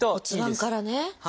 骨盤からね。